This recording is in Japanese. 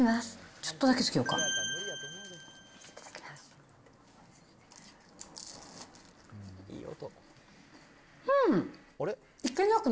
ちょっとだけつけようか。